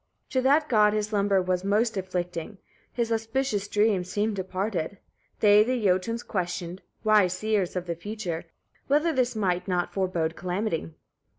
2. [To that god his slumber was most afflicting; his auspicious dreams seemed departed. They the Jötuns questioned, wise seers of the future, whether this might not forebode calamity?